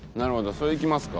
それいきますか。